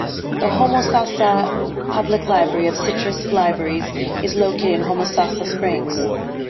The Homosassa Public Library of Citrus Libraries is located in Homosassa Springs.